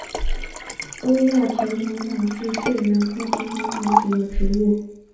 欧亚萍蓬草是睡莲科萍蓬草属的植物。